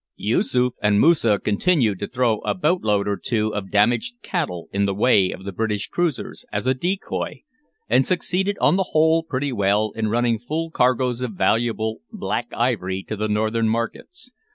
Yoosoof and Moosa continued to throw a boat load or two of damaged "cattle" in the way of the British cruisers, as a decoy, and succeeded on the whole pretty well in running full cargoes of valuable Black Ivory to the northern markets.